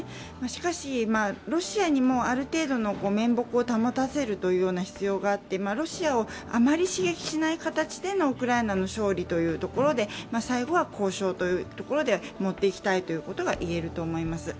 しかし、ロシアにもある程度の面目を保たせるという必要があって、ロシアをあまり刺激しない形でのウクライナの勝利というところで最後は交渉というところで持っていきたいということがいえると思います。